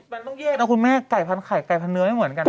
มันต้องแยกนะคุณแม่ไก่พันไข่ไก่พันเนื้อไม่เหมือนกันนะ